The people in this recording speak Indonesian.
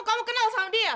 kamu kenal sama dia